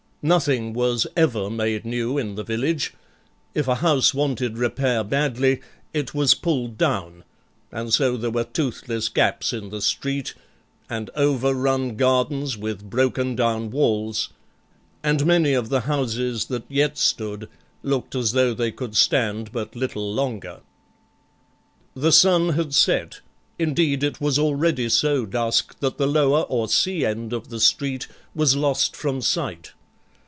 Nothing was ever made new in the village; if a house wanted repair badly, it was pulled down, and so there were toothless gaps in the street, and overrun gardens with broken down walls, and many of the houses that yet stood looked as though they could stand but little longer. The sun had set; indeed, it was already so dusk that the lower or sea end of the street was lost from sight.